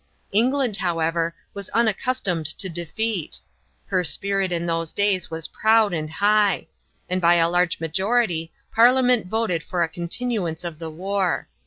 England, however, was unaccustomed to defeat; her spirit in those days was proud and high; and by a large majority Parliament voted for the continuance of the war.